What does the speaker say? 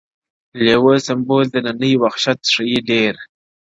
لېوه سمبول دنني وحشت ښيي ډېر,